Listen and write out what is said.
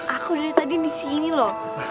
aku dari tadi disini loh